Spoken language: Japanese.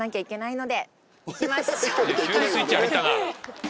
急にスイッチ入ったな。